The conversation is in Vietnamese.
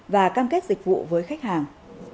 và cam kết dịch vụ với khách hàng